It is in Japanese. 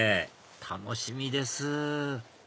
楽しみです